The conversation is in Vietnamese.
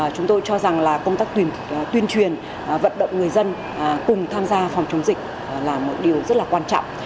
chúng tôi cho rằng là công tác tuyên truyền vận động người dân cùng tham gia phòng chống dịch là một điều rất là quan trọng